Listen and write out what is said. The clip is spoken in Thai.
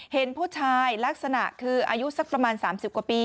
เห็นผู้ชายลักษณะคืออายุสักประมาณ๓๐กว่าปี